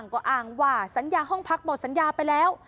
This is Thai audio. ก็อ้างว่าสัญญาห้องพักหมดสัญญาไปแล้ว